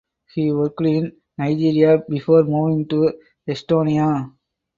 He worked in Nigeria before moving to Estonia.